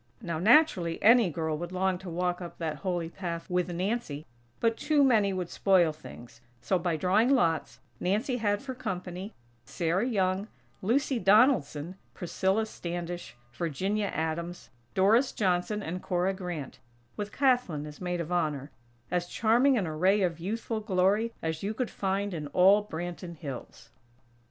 Now, naturally, any girl would long to walk up that Holy path with Nancy, but too many would spoil things; so, by drawing lots, Nancy had for company, Sarah Young, Lucy Donaldson, Priscilla Standish, Virginia Adams, Doris Johnson and Cora Grant; with Kathlyn as Maid of Honor, as charming an array of youthful glory as you could find in all Branton Hills.